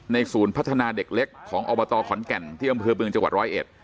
ในศูนย์พัฒนาเด็กเล็กของอบตขอนแก่นที่บริเวณจังหวัด๑๐๑